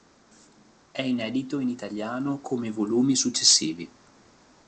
È inedito in italiano, come i volumi successivi.